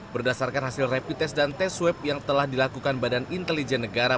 berdasarkan hasil repites dan swab yang telah dilakukan badan intelijen negara